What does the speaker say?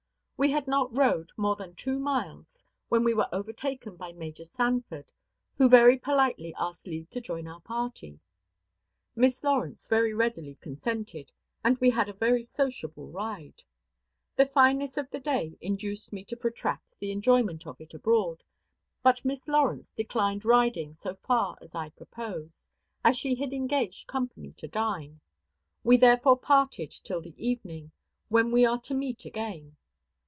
"We had not rode more than two miles when we were overtaken by Major Sanford, who very politely asked leave to join our party. Miss Lawrence very readily consented; and we had a very sociable ride. The fineness of the day induced me to protract the enjoyment of it abroad; but Miss Lawrence declined riding so far as I proposed, as she had engaged company to dine. We therefore parted till the evening, when we are to meet again."